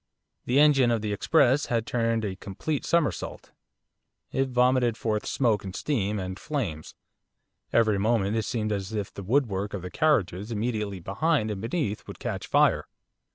The engine of the express had turned a complete somersault. It vomited forth smoke, and steam, and flames, every moment it seemed as if the woodwork of the carriages immediately behind and beneath would catch fire.